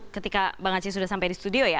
ketika bang aceh sudah sampai di studio ya